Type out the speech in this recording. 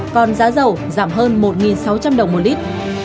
còn giá dầu giảm hơn một sáu trăm linh đồng một lít